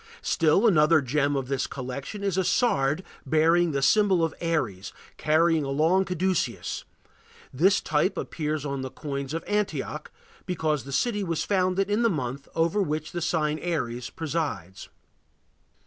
Still another gem of this collection is a sard bearing the symbol of Aries carrying a long caduceus; this type appears on the coins of Antioch, because that city was founded in the month over which the sign Aries presides.